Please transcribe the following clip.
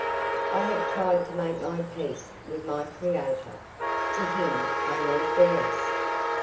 I have tried to make my peace with my Creator; to Him I leave the rest.